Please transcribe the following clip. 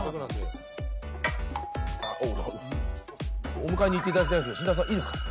お迎えに行っていただきたいんですけど真太郎さんいいですか？